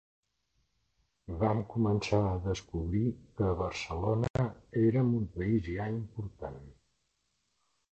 Vam començar a descobrir que a Barcelona érem un país ja important.